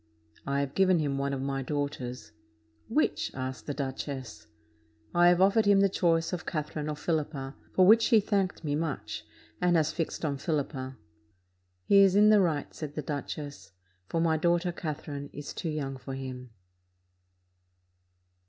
"I have given him one of my daughters." "Which?" asked the duchess. "I have offered him the choice of Catherine or Philippa; for which he thanked me much, and has fixed on Philippa." "He is in the right," said the duchess; "for my daughter Catherine is too young for him."